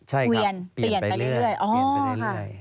เปลี่ยนไปเรื่อย